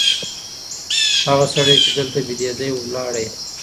هغه سړی چي دلته بېدېدی ولاړی.